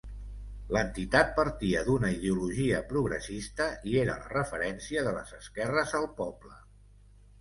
L'entitat partia d'una ideologia progressista i era la referència de les esquerres al poble.